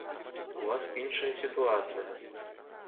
У вас іншая сітуацыя.